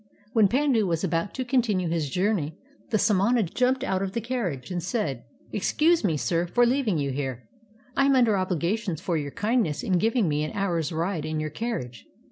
When Pandu was about to continue his journey the samana jumped out of the carriage and said: " Excuse me, sir, for leaving you here. I am under obligations for }'our kindness in giving me an hour's ride in your car riage.